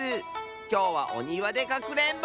きょうはおにわでかくれんぼ！